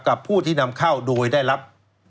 ผู้ที่นำเข้าโดยได้รับ